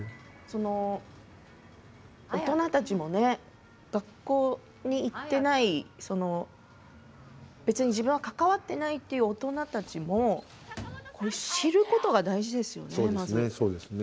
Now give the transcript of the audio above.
大人たちも学校に行っていない別に自分は関わっていないという大人たちも知ることが大事ですよね。